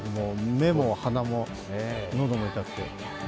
目も鼻も、喉も痛くて。